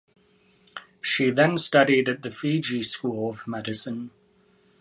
She then studied at the Fiji School of Medicine.